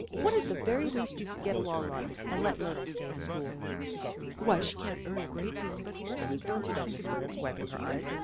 What is the very least you could get along on and let Myrtle stay in school?" "Why she can't earn a great deal of course," said Miss Burns, wiping her eyes.